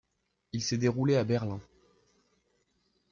Il s'est déroulé à Berlin.